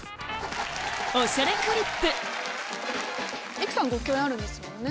育さんご共演あるんですもんね。